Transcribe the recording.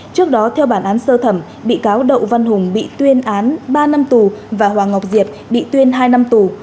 trước đó theo bản án sơ thẩm bị cáo đậu văn hùng bị tuyên án ba năm tù và hoàng ngọc diệp bị tuyên hai năm tù